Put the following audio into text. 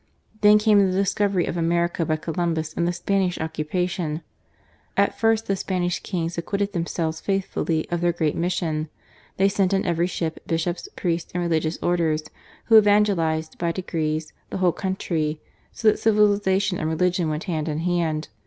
Then came the discovery of America by Columbus and the Spanish occupation. At first the Spanish kings acquitted themselves faithfully of their great mission. They sent in every ship bishops, priests and religious Orders, who evange lized by degrees the whole country ; so that civili zation and religion went hand in hand.